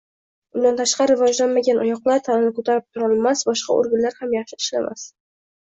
Undan tashqari rivojlanmagan oyoqlar tanani ko`tarib turolmas, boshqa organlar ham yaxshi ishlamasdi